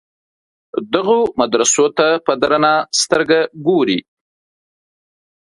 دغو مدرسو ته په درنه سترګه ګوري.